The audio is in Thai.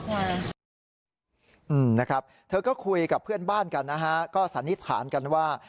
แม่งก็คุยกับเพื่อนบ้านกันนะฮะก็สนิทฐานกันว่า